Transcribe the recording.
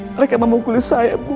mereka memukul saya bu